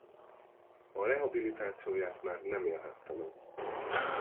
A rehabilitációját már nem élhette meg.